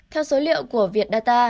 theo số liệu của vietdata